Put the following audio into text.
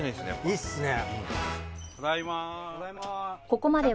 いいですね。